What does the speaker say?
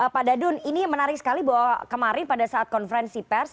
pak dadun ini menarik sekali bahwa kemarin pada saat konferensi pers